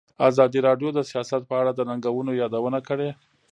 ازادي راډیو د سیاست په اړه د ننګونو یادونه کړې.